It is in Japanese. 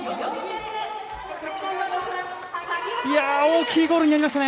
大きいゴールになりましたね！